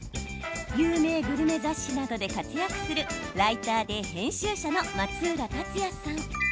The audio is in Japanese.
有名グルメ雑誌などで活躍するライターで編集者の松浦達也さん。